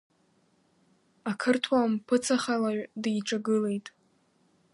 Ақырҭуа мпыҵахалаҩ диҿагылеит.